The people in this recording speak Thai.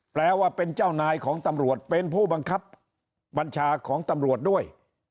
แปลว่าเป็นเจ้านายของตำรวจเป็นผู้บังคับบัญชาของตำรวจด้วย